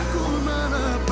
aku akan mencari kamu